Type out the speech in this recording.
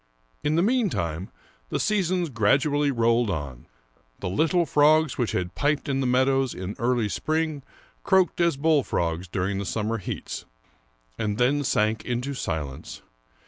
In the meantime, the seasons gradually rolled on. The little frogs which had piped in the meadows in early spring croaked as bullfrogs during the summer heats, and then sank into silence.